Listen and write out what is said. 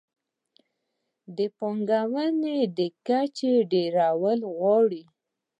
د پانګونې د کچې ډېروالی غواړي.